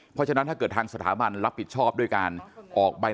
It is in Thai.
เพราะฉะนั้นถ้าเกิดทางสถาบันรับผิดชอบด้วยการออกใบ